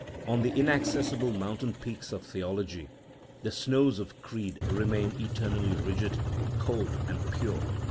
On the inaccessible mountain peaks of theology the snows of creed remain eternally rigid, cold, and pure.